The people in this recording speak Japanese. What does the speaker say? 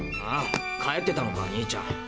ああ帰ってたのか兄ちゃん。